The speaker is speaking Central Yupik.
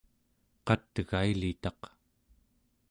qat'gailitaq